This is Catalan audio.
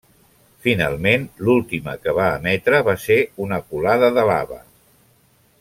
Finalment, l'última que va emetre va ser una colada de lava.